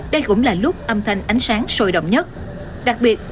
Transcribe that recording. đây cũng là lúc âm thanh ánh sáng sôi động nhất đặc biệt